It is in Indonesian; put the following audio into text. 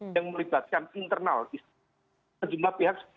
yang melibatkan internal sejumlah pihak